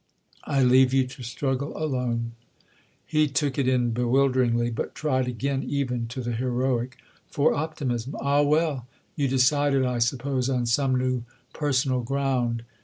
"I leave you to struggle alone." He took it in bewilderingly, but tried again, even to the heroic, for optimism. "Ah well, you decided, I suppose, on some new personal ground."